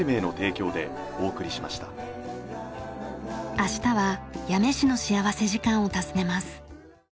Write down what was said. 明日は八女市の幸福時間を訪ねます。